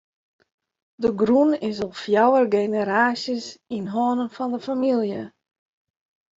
De grûn is al fjouwer generaasjes yn hannen fan de famylje.